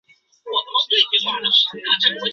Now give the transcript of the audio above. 劫匪最后选择投降。